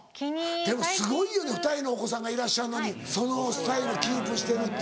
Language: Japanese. でもすごいよね２人のお子さんがいらっしゃるのにそのスタイルキープしてるって。